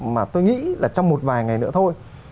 mà tôi nghĩ là trong một vài ngày nữa thôi